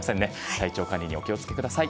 体調管理にお気をつけください。